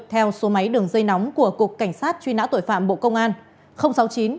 theo số máy đường dây nóng của cục cảnh sát truy nã tội phạm bộ công an